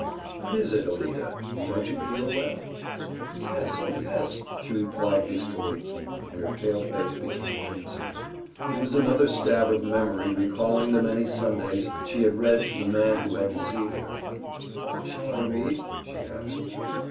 "What is it, Alida? Don't you feel well?" "Yes, oh, yes!" she replied hastily, and her pale face became crimson. It was another stab of memory recalling the many Sundays she had read to the man who had deceived her. "Shall I read?" she asked.